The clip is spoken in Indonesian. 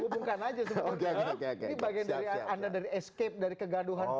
hubungkan saja sebenarnya ini bagian dari anda dari escape dari kegaduhan publik